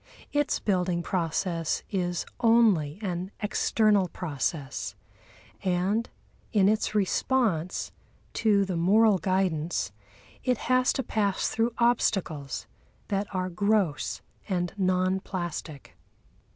Its building process is only an external process, and in its response to the moral guidance it has to pass through obstacles that are gross and non plastic.